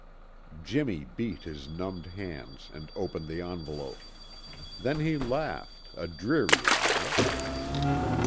Jimmy beat his numbed hands and opened the envelope. Then he laughed, a dreary laugh.